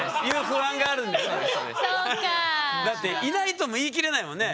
だっていないとも言い切れないもんね？